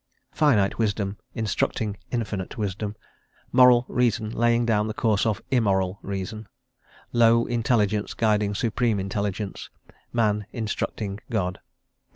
Finite wisdom instructing infinite wisdom; mortal reason laying down the course of immortal reason; low intelligence guiding supreme intelligence; man instructing God.